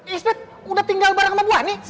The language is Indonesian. ismet udah tinggal bareng sama bu ani